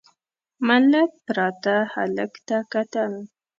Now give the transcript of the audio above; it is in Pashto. ملک پراته هلک ته کتل….